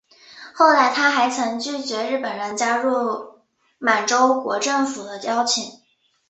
后来他还曾拒绝日本人加入满洲国政府的邀请。